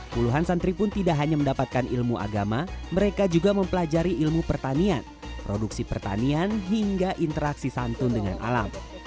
puluhan santri pun tidak hanya mendapatkan ilmu agama mereka juga mempelajari ilmu pertanian produksi pertanian hingga interaksi santun dengan alam